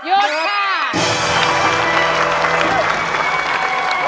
หยุดค่ะ